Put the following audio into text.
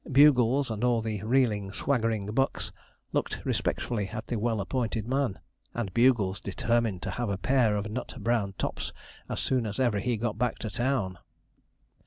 Bugles, and all the reeling, swaggering bucks, looked respectfully at the well appointed man, and Bugles determined to have a pair of nut brown tops as soon as ever he got back to town.